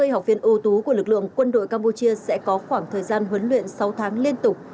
ba mươi học viên ưu tú của lực lượng quân đội campuchia sẽ có khoảng thời gian huấn luyện sáu tháng liên tục